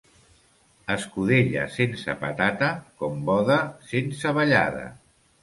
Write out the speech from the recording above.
Escudella sense patata, com boda sense ballada.